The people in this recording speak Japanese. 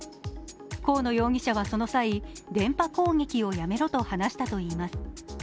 河野容疑者はその際、電波攻撃をやめろと話したといいます。